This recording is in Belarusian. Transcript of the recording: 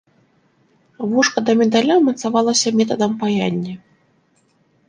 Вушка да медаля мацавалася метадам паяння.